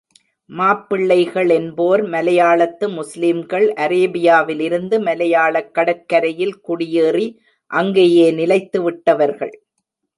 மாப்பிள்ளைகளென்போர் மலையாளத்து முஸ்லீம்கள், அரேபியாவிலிருந்து மலையாளக்கடற்கரையில் குடியேறி அங்கேயே நிலைத்துவிட்டவர்கள்.